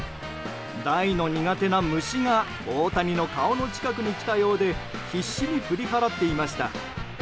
大の苦手な虫が大谷の顔の近くに来たようで必死に振り払っていました。